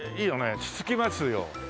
落ち着きますよ。